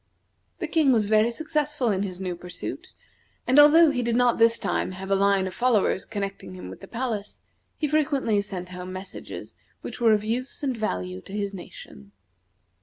The King was very successful in his new pursuit, and although he did not this time have a line of followers connecting him with the palace, he frequently sent home messages which were of use and value to his nation.